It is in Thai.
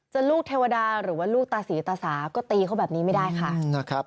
ลูกเทวดาหรือว่าลูกตาศรีตาสาก็ตีเขาแบบนี้ไม่ได้ค่ะนะครับ